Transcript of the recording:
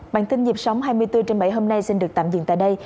bản tin dịp sóng hai mươi bốn h trên bảy h hôm nay xin được tạm dừng tại đây